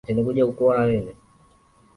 Mwaka huu umekuwa mgumu sana kuliko miaka mingine